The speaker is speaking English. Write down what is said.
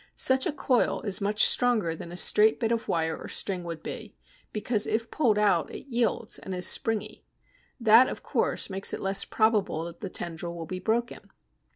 Such a coil is much stronger than a straight bit of wire or string would be, because if pulled out it yields and is springy. That of course makes it less probable that the tendril will be broken.